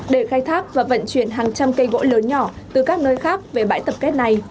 để khai thác và vận chuyển hàng trăm cây gỗ lớn nhỏ từ các nơi khác về bãi tập kết này